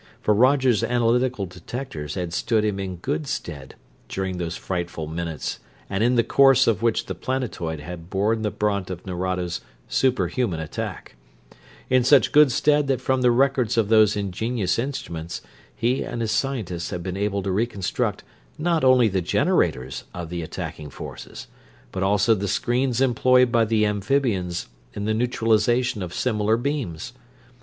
For Roger's analytical detectors had stood him in good stead during those frightful minutes in the course of which the planetoid had borne the brunt of Nerado's superhuman attack; in such good stead that from the records of those ingenious instruments he and his scientists had been able to reconstruct not only the generators of the attacking forces, but also the screens employed by the amphibians in the neutralization of similar beams.